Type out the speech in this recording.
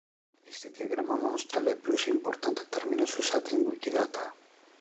Iste diagramma monstra le plus importante terminos usate in Wikidata